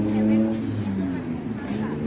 ไม่เคยมีบ้างแหละ